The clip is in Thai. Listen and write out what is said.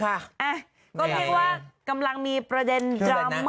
ก็เรียกว่ากำลังมีประเด็นดราม่า